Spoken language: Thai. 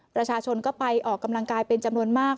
ประชาชนก็ไปออกกำลังกายเป็นจำนวนมาก